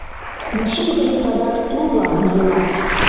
Но шӱргыжӧ садак тулла йӱла.